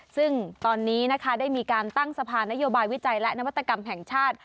ซึ่งตอนนี้นะคะได้มีการตั้งสะพานนโยบายวิจัยและนวัตกรรมแห่งชาติ